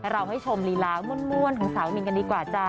เราให้ชมลีลาม่วนของสาวมินกันดีกว่าจ้า